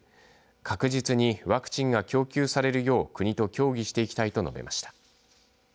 確実にワクチンが供給されるよう国と協議していきたいと述べました。